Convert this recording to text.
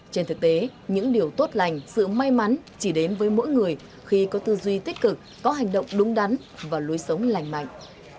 trên thực tế những điều tốt lành sự may mắn chỉ đến với mỗi người khi có tư duy tích cực có hành động đúng đắn và lối sống lành mạnh